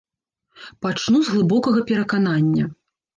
Пачну з глыбокага пераканання.